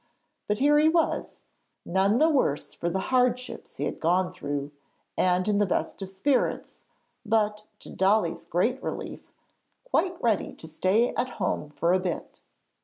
But here he was, none the worse for the hardships he had gone through, and in the best of spirits, but, to Dolly's great relief, quite ready to stay at home for a bit.